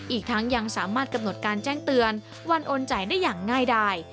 อีกทั้งยังสามารถกำหนดการแจ้งเตือนวันโอนจ่ายได้อย่างง่ายได้